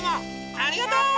ありがとう！